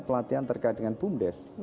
pelatihan terkait dengan bumdes